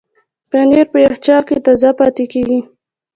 پنېر په یخچال کې تازه پاتې کېږي.